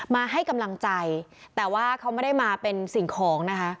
มาให้กำลังใจแต่ว่าเขาไม่ได้มาเป็นสิ่งของนะคะ